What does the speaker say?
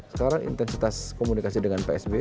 sekarang intensitas komunikasi dengan psb